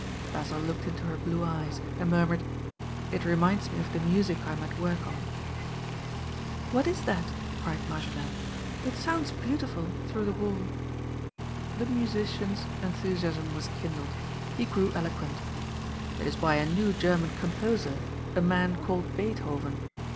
Basil looked into her blue eyes, and murmured, "It reminds me of the music I am at work on." "What is that?" cried Marjolaine. "It sounds beautiful—through the wall." The musician's enthusiasm was kindled; he grew eloquent. "It is by a new German composer: a man called Beethoven.